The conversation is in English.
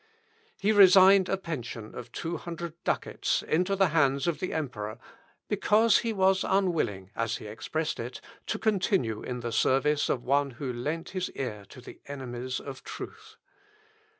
He resigned a pension of two hundred ducats into the hands of the emperor, "because he was unwilling," as he expressed it, "to continue in the service of one who lent his ear to the enemies of the truth."